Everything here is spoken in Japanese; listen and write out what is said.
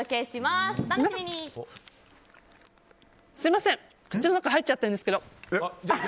すみません、口の中に入っちゃってるんですけど。